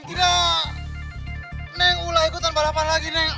abah tidak kuat lihat kamu celaka neng